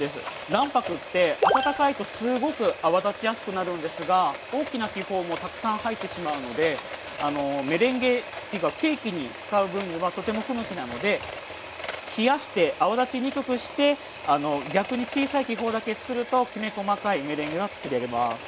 卵白って温かいとすごく泡立ちやすくなるんですが大きな気泡もたくさん入ってしまうのでメレンゲっていうかケーキに使う分にはとても不向きなので冷やして泡立ちにくくして逆に小さい気泡だけ作るときめ細かいメレンゲが作れます。